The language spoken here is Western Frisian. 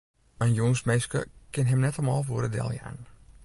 In jûnsminske kin him net om alve oere deljaan.